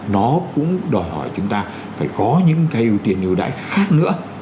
nó cũng đòi hỏi chúng ta phải có những cái ưu tiên ưu đãi khác nữa